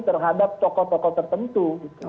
terhadap tokoh tokoh tertentu